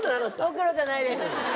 ホクロじゃないです。